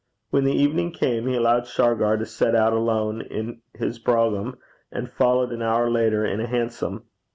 When the evening came, he allowed Shargar to set out alone in his brougham, and followed an hour later in a hansom.